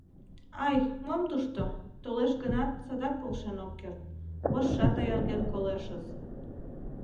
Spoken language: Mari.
Ай, мом тушто, толеш гынат, садак полшен ок керт, вожшат аярген колешыс...